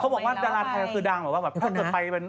บอกว่าดาราไทยคือดังแบบว่าแบบถ้าเกิดไปเป็น